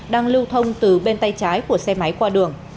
đang lưu thông từ bên tay trái của xe máy qua đường